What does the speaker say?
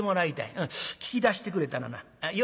聞き出してくれたらなよ